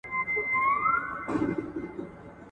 په لویه جرګه کي د ولایتونو استازي څوک دي؟